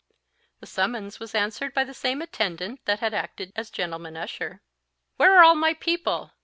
The summons was answered by the same attendant that had acted as gentleman usher. "'Where are all my people?"